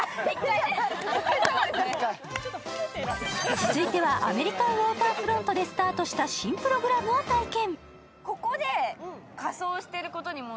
続いてはアメリカンウォーターフロントでスタートした新プログラムを体験。